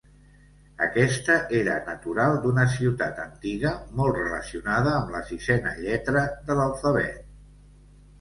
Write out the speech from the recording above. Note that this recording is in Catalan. Aquesta era natural d'una ciutat antiga molt relacionada amb la sisena lletra de l'alfabet.